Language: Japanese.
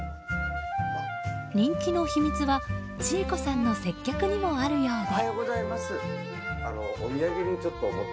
人気の秘密は千恵子さんの接客にもあるようで。